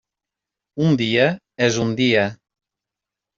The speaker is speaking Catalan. Un dia és un dia.